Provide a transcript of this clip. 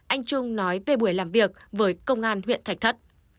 anh trung nói về buổi làm việc với công an huyện thạch thất